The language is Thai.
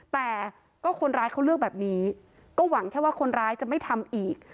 แต่ก็คนร้ายเขาเลือกแบบนี้ก็หวังแค่ว่าคนร้ายจะไม่ทำอีก